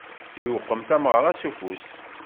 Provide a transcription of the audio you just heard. Iwqem tameɣṛa s ufus.